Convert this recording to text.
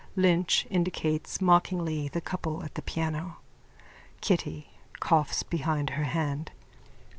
Lynch indicates mockingly the couple at the piano.)_ KITTY: _(Coughs behind her hand.)